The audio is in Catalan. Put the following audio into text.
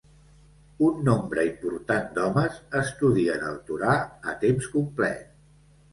Un nombre important d'homes estudien el Torà a temps complet.